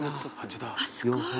すごい。